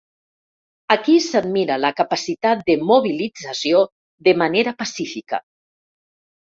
Aquí s’admira la capacitat de mobilització de manera pacífica.